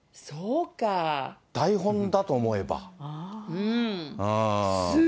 台本だと思えば。